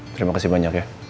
terima kasih banyak ya